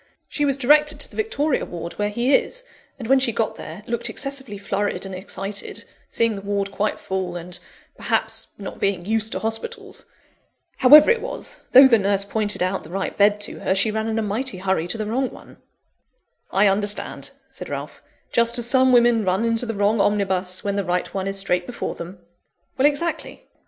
She was directed to the Victoria Ward, where he is; and when she got there, looked excessively flurried and excited seeing the Ward quite full, and, perhaps, not being used to hospitals. However it was, though the nurse pointed out the right bed to her, she ran in a mighty hurry to the wrong one." "I understand," said Ralph; "just as some women run into the wrong omnibus, when the right one is straight before them." "Exactly.